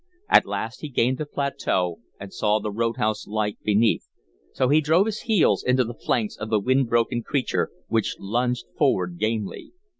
At last he gained the plateau and saw the road house light beneath, so drove his heels into the flanks of the wind broken creature, which lunged forward gamely.